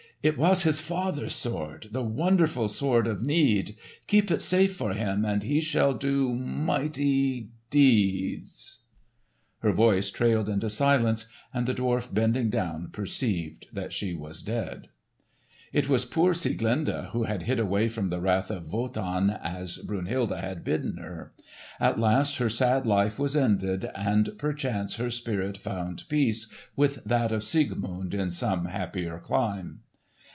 "It was his father's sword—the wonderful Sword of Need. Keep it safe for him and he shall do—mighty—deeds——" Her voice trailed into silence, and the dwarf bending down perceived that she was dead. It was poor Sieglinde who had hid away from the wrath of Wotan, as Brunhilde had bidden her. At last her sad life was ended, and perchance her spirit found peace with that of Siegmund in some happier clime.